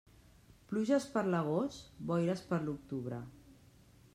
Pluges per l'agost, boires per l'octubre.